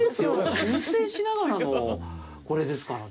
修正しながらのこれですからね。